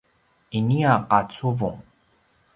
inia qacuvung